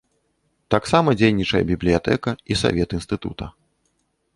Таксама дзейнічае бібліятэка і савет інстытута.